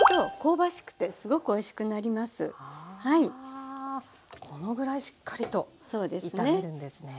ああこのぐらいしっかりと炒めるんですね。